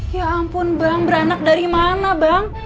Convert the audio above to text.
ya ampun bang beranak dari mana bang